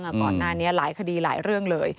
ก่อนหน้านี้หลายคดีหลายเรื่องเลย